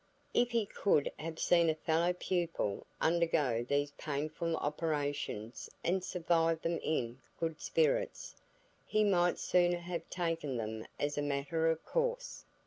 If he could have seen a fellow pupil undergo these painful operations and survive them in good spirits, he might sooner have taken them as a matter of course.